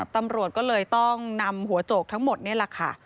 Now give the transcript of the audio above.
ตำรวจก็เลยต้องนำหัวโจกทั้งหมดนี่แหละค่ะ